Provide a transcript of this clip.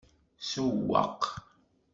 Sewweq.